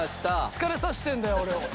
疲れさせてるんだよ俺を。